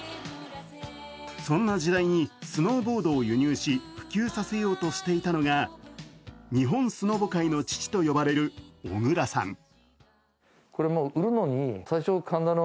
そんな時代にスノーボードを輸入し普及させようとしていたのが日本スノボ界の父と呼ばれる小倉さん。